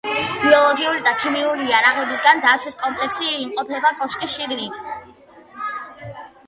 ბიოლოგიური და ქიმიური იარაღისაგან დაცვის კომპლექსი იმყოფება კოშკის შიგნით.